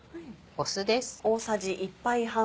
酢です。